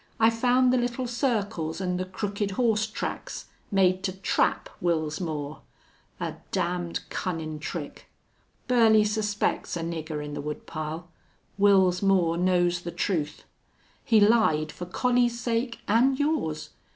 I found the little circles an' the crooked horse tracks made to trap Wils Moore.... A damned cunnin' trick!... Burley suspects a nigger in the wood pile. Wils Moore knows the truth. He lied for Collie's sake an' yours.